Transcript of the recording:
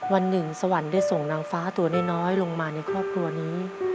วันหนึ่งสวรรค์ได้ส่งนางฟ้าตัวน้อยลงมาในครอบครัวนี้